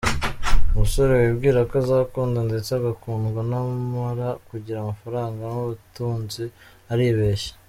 Umusore wibwira ko azakunda ndetse agakundwa namara kugira amafaranga n’ubutunzi aribeshya.